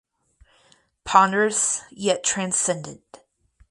Ponderous yet transcendent.